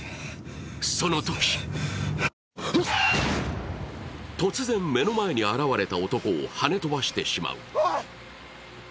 そのとき、突然目の前に現れた男をはね飛ばしてしまう。